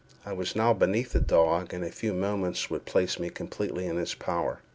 I was now beneath the dog, and a few moments would place me completely in his power.